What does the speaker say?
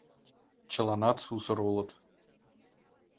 Чыланат сусыр улыт.